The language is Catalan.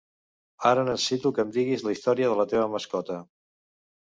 Ara necessito que em diguis la història de la teva mascota.